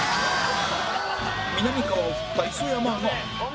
みなみかわをフッた磯山が